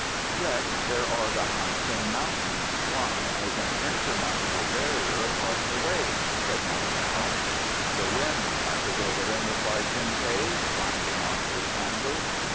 "Yet there are the Han sing mountains, flung as an insurmountable barrier across the way," said Nau Kaou. "The wind passes over them," replied Ten teh, binding on his sandals.